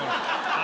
あ